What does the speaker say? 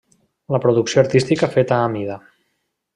La producció artística feta a mida.